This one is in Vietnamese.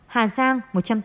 hà giang một trăm tám mươi chín